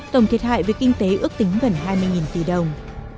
tổng thiệt hại về kinh tế ước tính gần hai mươi tỷ đồng